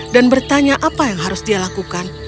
bertanya apa yang harus dia lakukan